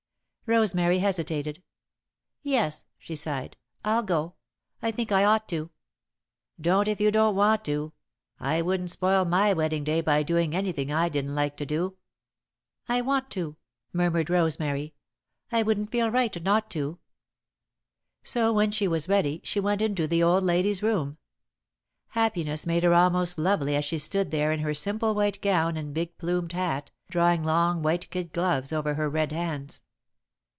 Rosemary hesitated. "Yes," she sighed, "I'll go. I think I ought to." "Don't if you don't want to. I wouldn't spoil my wedding day by doing anything I didn't like to do." [Sidenote: Grandmother Relaxes] "I want to," murmured Rosemary. "I wouldn't feel right not to." So, when she was ready, she went into the old lady's room. Happiness made her almost lovely as she stood there in her simple white gown and big plumed hat, drawing long white kid gloves over her red hands.